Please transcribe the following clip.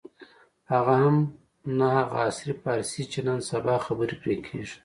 هغه هم نه هغه عصري فارسي چې نن سبا خبرې پرې کېږي.